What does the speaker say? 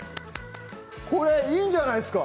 これいいんじゃないっすか？